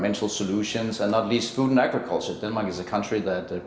denmark adalah negara yang memproduksi makanan untuk tiga empat kali lebih banyak orang